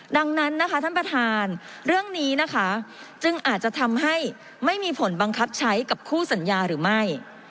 ดังนั้นนะคะท่านประธานเรื่องนี้นะคะจึงอาจจะทำให้ไม่มีผลบังคับใช้กับคู่สัญญาหรือไม่